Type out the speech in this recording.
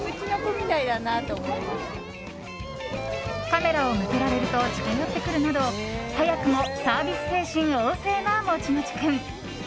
カメラを向けられると近寄ってくるなど早くもサービス精神旺盛なもちもち君。